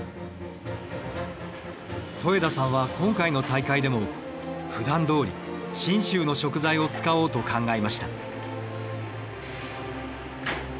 戸枝さんは今回の大会でもふだんどおり信州の食材を使おうと考えました。